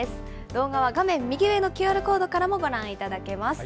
動画は画面右上のＱＲコードからもご覧いただけます。